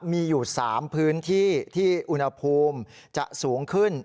มีอยู่๓พื้นที่ที่อุณหภูมิจะสูงขึ้น